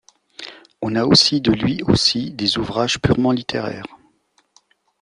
On a aussi de lui aussi des ouvrages purement littéraires.